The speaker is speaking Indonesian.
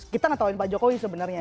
kita ngetahuin pak jokowi sebenarnya